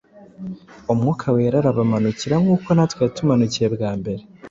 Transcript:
Umwuka Wera arabamanukira nk’uko natwe yatumanukiye bwa mbere.